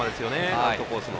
アウトコースの。